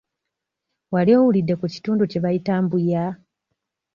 Wali owulidde ku kitundu kye bayita Mbuya?